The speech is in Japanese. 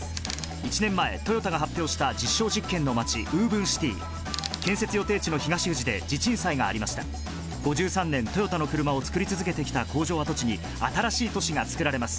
１年前トヨタが発表した実証実験の街ＷｏｖｅｎＣｉｔｙ建設予定地の東富士で地鎮祭がありました５３年トヨタのクルマを作り続けてきた工場跡地に新しい都市がつくられます